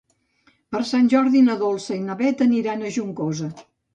Per Sant Jordi na Dolça i na Beth aniran a Juncosa.